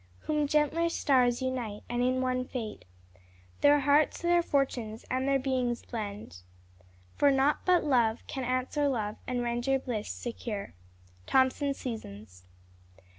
Whom gentler stars unite, and in one fate Their hearts, their fortunes, and their beings blend. ..... for naught but love Can answer love, and render bliss secure." _Thomson's Seasons.